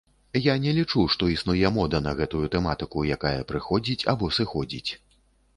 Я не лічу, што існуе мода на гэтую тэматыку, якая прыходзіць або сыходзіць.